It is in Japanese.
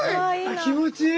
気持ちいい！